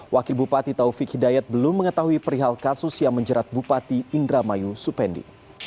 wakil bupati taufik hidayat belum mengetahui perihal kasus yang menjerat bupati indramayu supendi